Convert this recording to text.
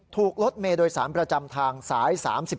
ถูกรถเมย์โดย๓ประจำทางสาย๓๙